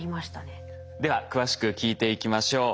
では詳しく聞いていきましょう。